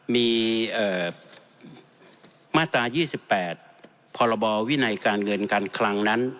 มีเอ่อมาตรายี่สิบแปดพบวินัยการเงินการคลังนั้น